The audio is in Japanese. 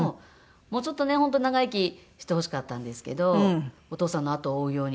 もうちょっとね本当は長生きしてほしかったんですけどお父さんの後を追うように。